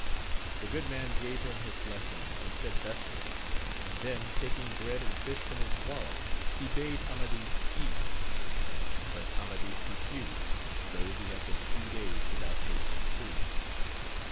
The good man gave him his blessing, and said vespers, and then taking bread and fish from his wallet, he bade Amadis eat ; but Amadis refused, though he had been three days without tasting food.